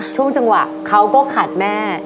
ช่วงจังหวะเขาก็ขาดแม่